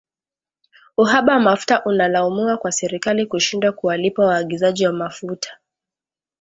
Uhaba wa mafuta unalaumiwa kwa serikali kushindwa kuwalipa waagizaji wa mafuta